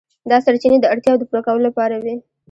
دا سرچینې د اړتیاوو د پوره کولو لپاره وې.